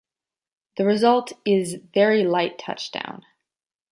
The result is very light touch down.